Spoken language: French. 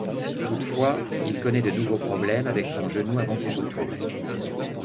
Toutefois, il connait de nouveaux problèmes avec son genou avant son retour.